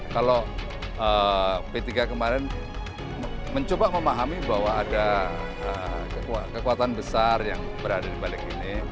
kalau p tiga kemarin mencoba memahami bahwa ada kekuatan besar yang berada di balik ini